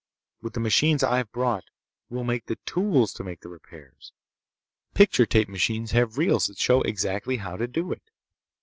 With the machines I've brought, we'll make the tools to make the repairs. Picture tape machines have reels that show exactly how to do it."